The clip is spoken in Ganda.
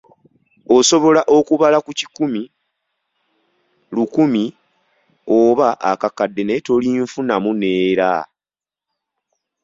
Osobola okubala ku kikumi, lukumi, oba akakadde naye tolinfuna neera!